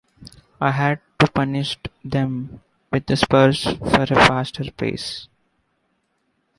I had to punished them with the spurs for a faster pace.